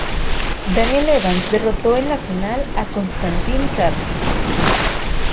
Daniel Evans derrotó en la final a Konstantín Kravchuk.